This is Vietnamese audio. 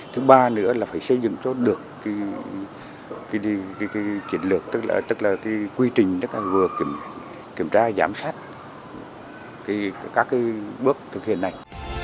thứ ba nữa là phải xây dựng cho được kiến lược tức là quy trình vừa kiểm tra giám sát các bước thực hiện này